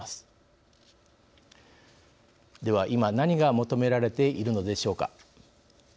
では今何が求められているのでしょうか。